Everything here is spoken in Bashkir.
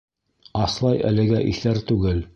Аслай әлегә иҫәр түгел.